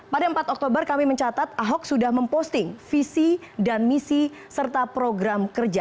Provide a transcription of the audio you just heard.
pada empat oktober kami mencatat ahok sudah memposting visi dan misi serta program kerja